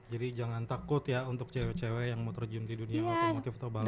jadi jangan takut ya untuk cewek cewek yang mau terjun di dunia otomotif atau balap